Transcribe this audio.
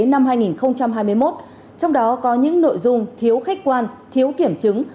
năm hai nghìn hai mươi một trong đó có những nội dung thiếu khách quan thiếu kiểm chứng